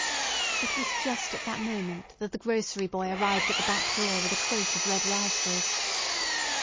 It was just at that moment that the grocery boy arrived at the back door with a crate of red raspberries.